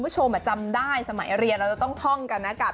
ข้างบัวแห่งสันยินดีต้อนรับทุกท่านนะครับ